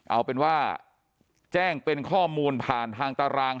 เอาเป็นว่าแจ้งเป็นข้อมูลผ่านทางตาราง